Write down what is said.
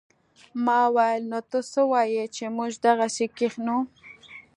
ما وويل نو ته څه وايې چې موږ دغسې کښينو.